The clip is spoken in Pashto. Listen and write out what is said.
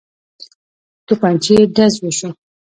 توپنچې ډز وشو.